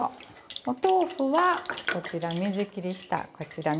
お豆腐はこちら水切りしたこちらの方。